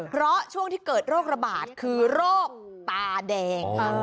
เพราะช่วงที่เกิดโรคระบาดคือโรคตาแดง